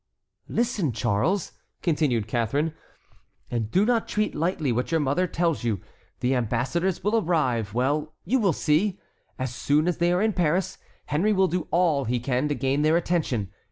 "Listen, Charles," continued Catharine, "and do not treat lightly what your mother tells you. The ambassadors will arrive; well, you will see! As soon as they are in Paris, Henry will do all he can to gain their attention.